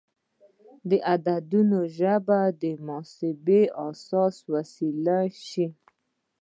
د عددونو ژبه د محاسبې اساسي وسیله شوه.